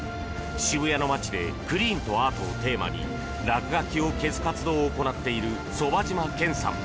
渋谷の街でクリーンとアートをテーマに落書きを消す活動を行っている傍嶋賢さん。